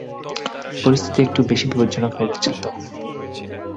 হ্যাঁ, পরিস্থিতি একটু বেশি বিপজ্জনক হয়ে যাচ্ছিল তো।